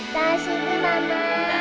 kasih di mama